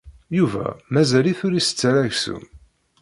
Yuba mazal-it ur isett ara aksum.